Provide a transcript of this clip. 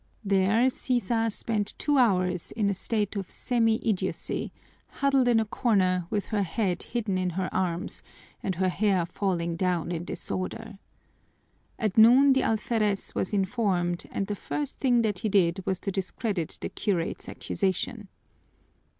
There Sisa spent two hours in a state of semi idiocy, huddled in a corner with her head hidden in her arms and her hair falling down in disorder. At noon the alferez was informed, and the first thing that he did was to discredit the curate's accusation.